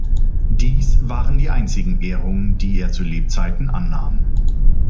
Dies waren die einzigen Ehrungen, die er zu Lebzeiten annahm.